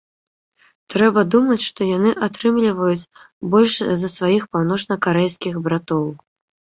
Трэба думаць, што яны атрымліваюць больш за сваіх паўночнакарэйскіх братоў.